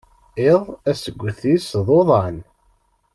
Iḍ asget-is d uḍan.